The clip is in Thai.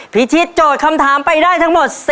พิธีโจทย์คำถามไปได้ทั้งหมด